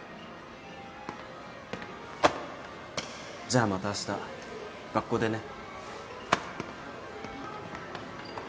じゃあまたあした学校でね。